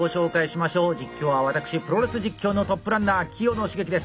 実況は私プロレス実況のトップランナー清野茂樹です。